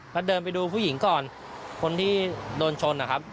แล้วเดินไปดูผู้หญิงก่อนคนที่โดนชนนะครับ